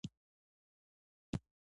شیرینو ورته وویل چې ته ولې ځې.